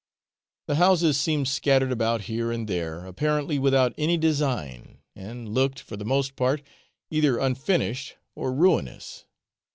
The houses seemed scattered about here and there, apparently without any design, and looked, for the most part, either unfinished or ruinous.